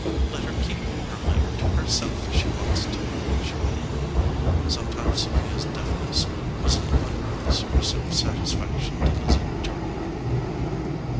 "Let her keep her letter to herself if she wants to," she muttered. Some times Sophia s deafness was an unworthy source of satisfaction to Lizzie Jordan.